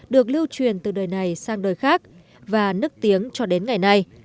được lưu truyền từ đời này sang đời khác và nức tiếng cho đến ngày nay